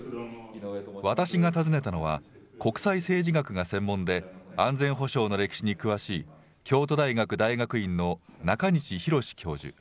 私が訪ねたのは、国際政治学が専門で、安全保障の歴史に詳しい、京都大学大学院の中西寛教授。